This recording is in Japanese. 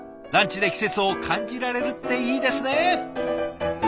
ランチで季節を感じられるっていいですね！